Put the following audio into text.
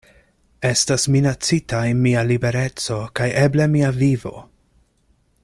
Estas minacitaj mia libereco kaj eble mia vivo.